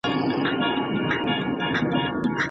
شرعیاتو پوهنځۍ بې دلیله نه تړل کیږي.